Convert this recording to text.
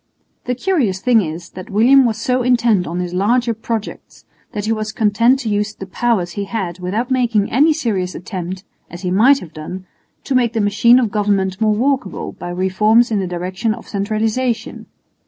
The curious thing is, that William was so intent on his larger projects that he was content to use the powers he had without making any serious attempt, as he might have done, to make the machine of government more workable by reforms in the direction of centralisation.